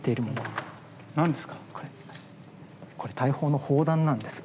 これ大砲の砲弾なんです。